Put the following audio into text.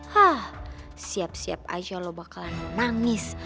hah siap siap aja lo bakalan nangis